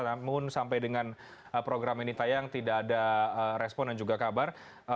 namun sampai dengan program ini tayang tidak ada respon dan juga kabar